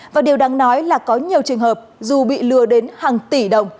và điều đáng nói là có nhiều trường hợp dù bị lừa đến hàng tỷ đồng